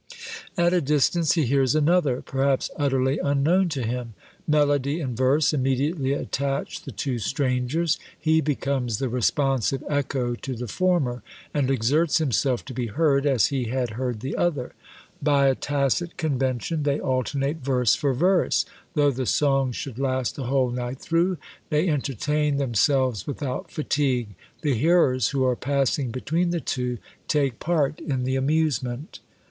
At a distance he hears another, perhaps utterly unknown to him. Melody and verse immediately attach the two strangers; he becomes the responsive echo to the former, and exerts himself to be heard as he had heard the other. By a tacit convention they alternate verse for verse; though the song should last the whole night through, they entertain, themselves without fatigue; the hearers, who are passing between the two, take part in the amusement.